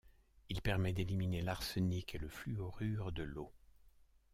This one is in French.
Il permet d'éliminer l'arsenic et le fluorure de l'eau.